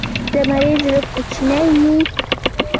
د مڼې زړې کوچنۍ وي.